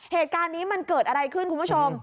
เหตุการณ์นี้มันเกิดอะไรขึ้นคุณผู้ชม